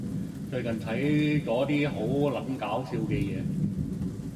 最近睇咗啲好撚搞笑嘅嘢